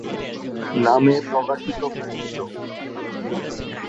নামে প্রকাশিত হয়েছিল।